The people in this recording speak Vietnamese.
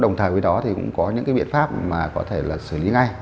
đồng thời với đó thì cũng có những cái biện pháp mà có thể là xử lý ngay